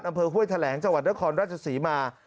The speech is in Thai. ห้วยแถลงจังหวัดนครราชศรีมา